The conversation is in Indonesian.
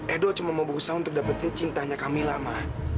edo cuma mau berusaha untuk dapetin cintanya kamila ma